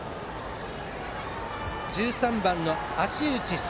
１３番の芦内澄